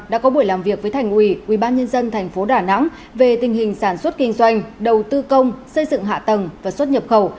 đã có buổi làm việc với thành ủy ubnd tp đà nẵng về tình hình sản xuất kinh doanh đầu tư công xây dựng hạ tầng và xuất nhập khẩu